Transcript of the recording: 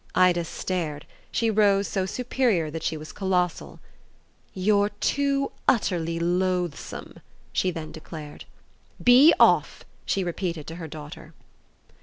Ida stared; she rose so superior that she was colossal. "You're too utterly loathsome," she then declared. "Be off!" she repeated to her daughter.